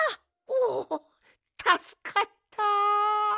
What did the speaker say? おおたすかった。